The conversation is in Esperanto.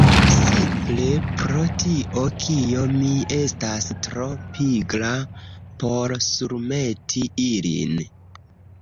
Simple pro tio kio mi estas tro pigra por surmeti ilin